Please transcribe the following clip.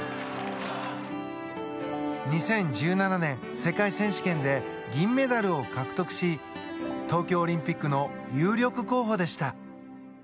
２０１７年世界選手権で銀メダルを獲得し東京オリンピックの有力候補でした。